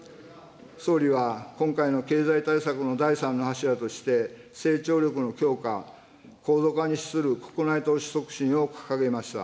総理は今回の経済対策の第３の柱として、成長力の強化・高度化に資する国内投資促進を掲げました。